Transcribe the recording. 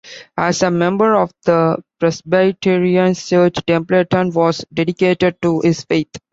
As a member of the Presbyterian Church, Templeton was dedicated to his faith.